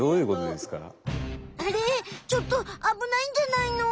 ちょっとあぶないんじゃないの？